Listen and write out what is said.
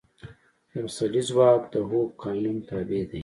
د پسرلي ځواک د هوک قانون تابع دی.